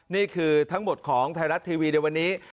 นี่คือทั้งหมดของไทยรัฐทีวีในวันนี้